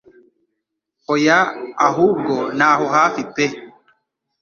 hoyaa ahubwo ni aho hafi pe